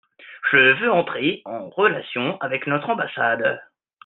Je veux entrer en relation avec notre ambassade.